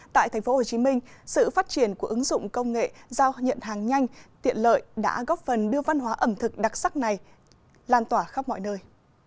tại tp hcm sự phát triển của ứng dụng công nghệ giao nhận hàng nhanh tiện lợi đã góp phần đưa văn hóa ẩm thực đặc sắc này lan tỏa khắp mọi nơi